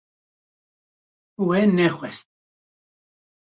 We nexwest